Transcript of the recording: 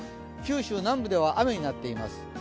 九州南部では雨になっています。